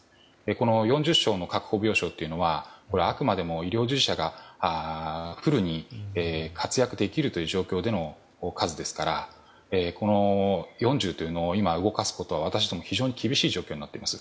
この４０床の確保病床というのはあくまでも医療従事者がフルに活躍できるという状況での数ですから４０というのを今、動かすことは私ども、非常に厳しい状況となっています。